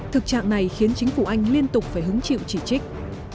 thực trạng này khiến chính phủ anh liên tục phải hứng chịu chỉ trích